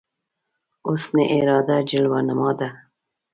حسن اراده جلوه نما ده